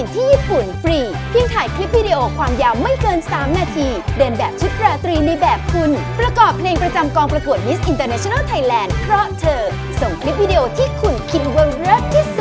ที่ให้วุ้งเข้ารอบ๑๔คนสุดท้ายนี้